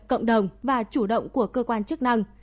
cộng đồng và chủ động của cơ quan chức năng